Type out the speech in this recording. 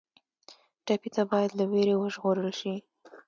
ټپي ته باید له وېرې وژغورل شي.